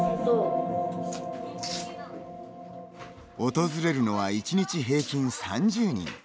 訪れるのは１日平均３０人。